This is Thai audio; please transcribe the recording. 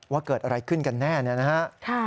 ว่าเกิดอะไรขึ้นกันแน่นะครับ